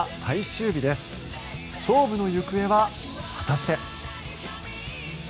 勝負の行方は果たして。